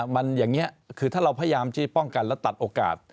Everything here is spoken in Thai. มันอย่างนี้คือถ้าเราพยายามที่ป้องกันและตัดโอกาส